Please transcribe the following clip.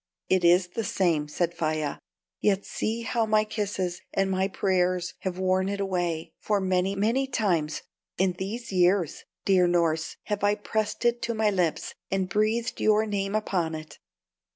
"It is the same." said Faia, "yet see how my kisses and my prayers have worn it away; for many, many times in these years, dear Norss, have I pressed it to my lips and breathed your name upon it.